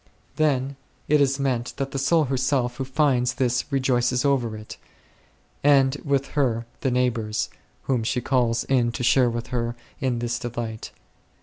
Then it is meant that the soul herself who finds this rejoices over it, and with her the neigh bours, whom she calls in to share with her in this delight.